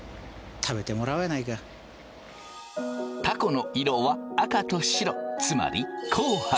たこの色は赤と白つまり紅白。